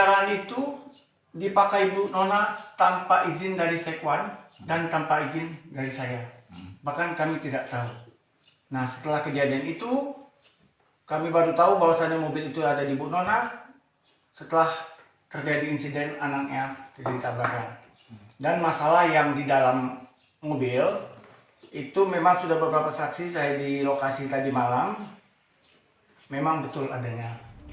ada beberapa saksi saya di lokasi tadi malam memang betul adanya